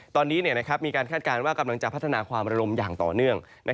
ตอนนี้มีการคาดการณ์ว่ากำลังจะพัฒนาความระลมอย่างต่อเนื่อง